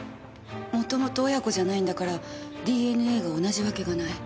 元々親子じゃないんだからＤＮＡが同じわけがない。